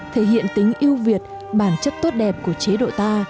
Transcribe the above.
thể hiện tính yêu việt bản chất tốt đẹp của chế độ ta